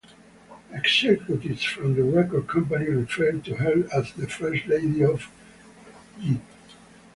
Executives from the record company referred to her as "the First Lady of J".